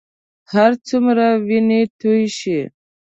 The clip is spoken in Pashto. هرڅومره وینې تویې شي.